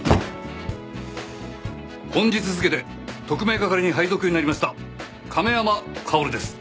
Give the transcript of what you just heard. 本日付で特命係に配属になりました亀山薫です。